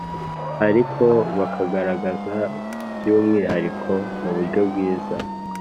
ariko bakagaragaza by umwihariko mu buryo bwiza